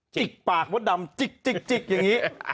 จิกปากมดดำจิกอย่างนี้